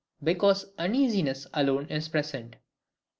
Because Uneasiness alone is present.